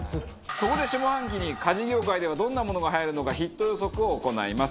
そこで下半期に家事業界ではどんなものがはやるのかヒット予測を行います。